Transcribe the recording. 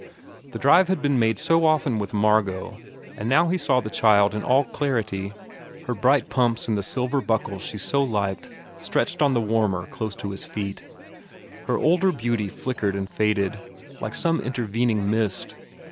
The drive had been made so often with Margot and now he saw the child in all clarity, her bright pumps and the silver buckles she so liked stretched on the warmer close to his feet. Her older beauty flickered and faded like some intervening mist.